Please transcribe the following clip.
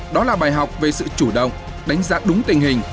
đó là bài học về sự chủ động đánh giá đúng tình hình